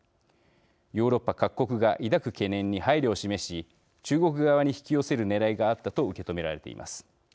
ヨーロッパ各国が抱く懸念に配慮を示し、中国側に引き寄せるねらいがあったと受け止められています。